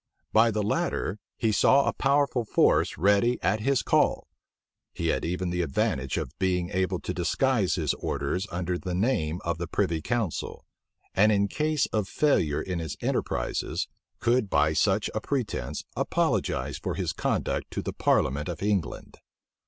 By the latter, he saw a powerful force ready at his call: he had even the advantage of being able to disguise his orders under the name of the privy council; and in case of failure in his enterprises, could by such a pretence apologize for his conduct to the parliament of England.